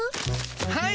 はい。